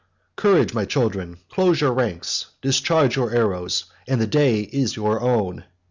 —Courage, my children; close your ranks; discharge your arrows, and the day is your own."